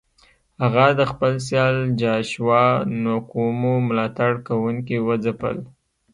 هغه د خپل سیال جاشوا نکومو ملاتړ کوونکي وځپل.